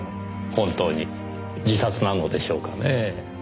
本当に自殺なのでしょうかねえ？